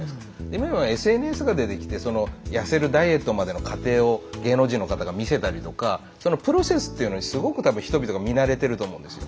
今はＳＮＳが出てきてその痩せるダイエットまでの過程を芸能人の方が見せたりとかそのプロセスというのにすごく多分人々が見慣れてると思うんですよ。